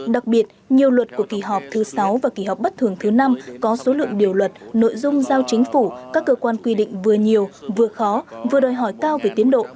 đặc biệt nhiều luật của kỳ họp thứ sáu và kỳ họp bất thường thứ năm có số lượng điều luật nội dung giao chính phủ các cơ quan quy định vừa nhiều vừa khó vừa đòi hỏi cao về tiến độ